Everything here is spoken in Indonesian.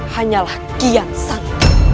hanyalah kian sang